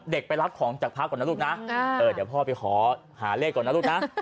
ไปรับของจากพระก่อนนะลูกนะเดี๋ยวพ่อไปขอหาเลขก่อนนะลูกนะ